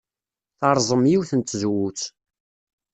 Terẓem yiwet n tzewwut.